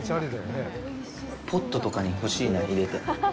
ポットとかに欲しいな、入れて。